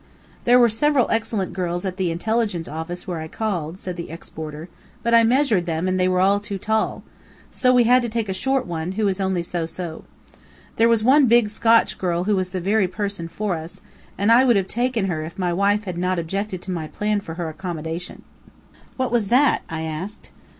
"There were several excellent girls at the intelligence office where I called," said the ex boarder, "but I measured them, and they were all too tall. So we had to take a short one, who is only so so. There was one big Scotch girl who was the very person for us, and I would have taken her if my wife had not objected to my plan for her accommodation. "What was that?" I asked.